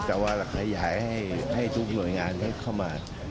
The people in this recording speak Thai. นึกว่าใครให้ให้ทรูปโนยงานเข้ามา